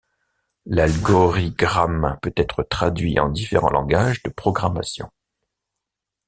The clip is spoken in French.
L'algorigramme peut être traduit en différents langages de programmation.